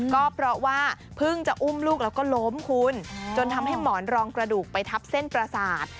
ก็เพราะว่าเพิ่งจะอุ้มลูกแล้วก็ล้มคุณจนทำให้หมอนรองกระดูกไปทับเส้นประสาท